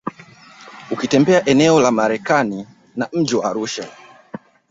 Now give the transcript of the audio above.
Ukitembelea eneo la Merelani na mji wa Arusha